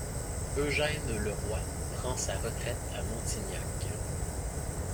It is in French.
Eugène Le Roy prend sa retraite à Montignac.